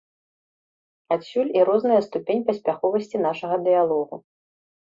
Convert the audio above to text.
Адсюль і розная ступень паспяховасці нашага дыялогу.